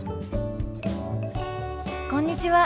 こんにちは。